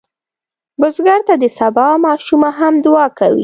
بزګر ته د سبا ماشومه هم دعا کوي